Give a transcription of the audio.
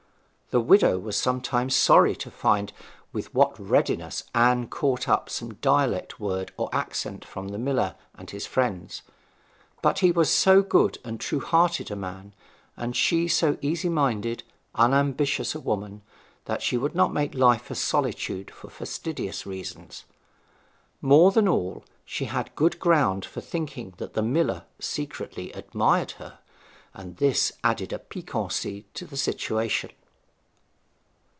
The widow was sometimes sorry to find with what readiness Anne caught up some dialect word or accent from the miller and his friends; but he was so good and true hearted a man, and she so easy minded, unambitious a woman, that she would not make life a solitude for fastidious reasons. More than all, she had good ground for thinking that the miller secretly admired her, and this added a piquancy to the situation.